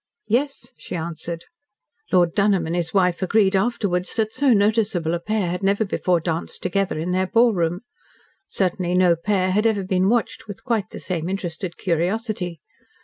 "Yes," she answered. Lord Dunholm and his wife agreed afterwards that so noticeable a pair had never before danced together in their ballroom. Certainly no pair had ever been watched with quite the same interested curiosity.